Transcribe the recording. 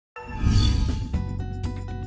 một số sản xuất có nhiều sản xuất dễ dàng